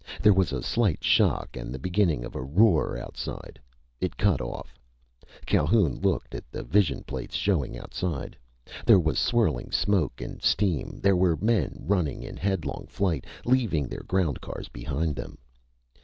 There was a slight shock and the beginning of a roar outside. It cut off. Calhoun looked at the vision plates showing outside. There was swirling smoke and steam. There were men running in headlong flight, leaving their ground cars behind them.